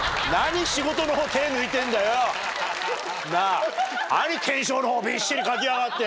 なぁ何懸賞の方びっしり書きやがって。